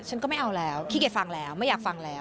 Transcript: ฉันก็ไม่เอาแล้วขี้เกียจฟังแล้วไม่อยากฟังแล้ว